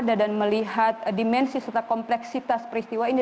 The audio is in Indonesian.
dan melihat dimensi serta kompleksitas peristiwa ini